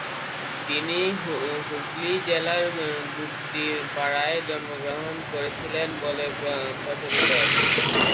তিনি হুগলী জেলার গুপ্তিপাড়ায় জন্মগ্রহণ করেছিলেন বলে প্রচলিত আছে।